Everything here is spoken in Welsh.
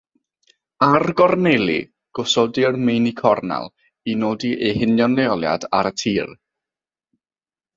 Ar gorneli, gosodir “meini cornel” i nodi eu hunion leoliad ar y tir.